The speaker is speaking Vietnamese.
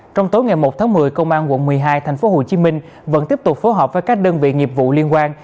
trong tối ngày một tháng một mươi công an quận một mươi hai tp hcm vẫn tiếp tục phối hợp với các đơn vị nghiệp vụ liên quan